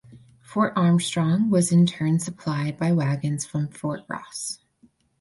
Fort Armstrong was in turn supplied by wagons from Fort Ross.